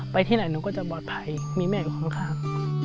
ที่ไหนหนูก็จะปลอดภัยมีแม่อยู่ข้าง